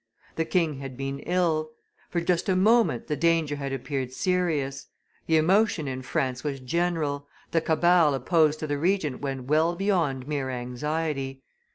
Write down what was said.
The king had been ill; for just a moment the danger had appeared serious; the emotion in France was general, the cabal opposed to the Regent went beyond mere anxiety.